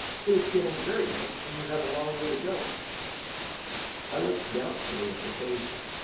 It is getting very late and you have a long way to go." I looked doubtfully at the patient.